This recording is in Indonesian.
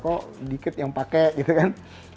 kok dikit yang pakai gitu kan